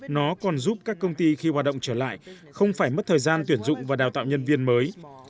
nó còn giúp các công ty khi hoạt động trở lại không phải mất thời gian tuyển dụng và đào tạo nhân viên mới